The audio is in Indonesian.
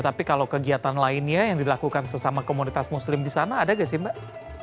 tapi kalau kegiatan lainnya yang dilakukan sesama komunitas muslim di sana ada nggak sih mbak